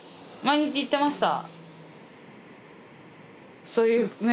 毎日行ってました。